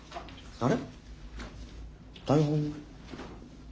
あれ？